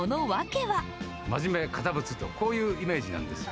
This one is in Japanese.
真面目、堅物と、こういうイメージなんですよ。